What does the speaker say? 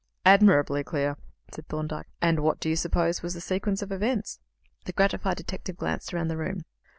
"Admirably clear," said Thorndyke; "and what do you suppose was the sequence of events?" The gratified detective glanced round the room.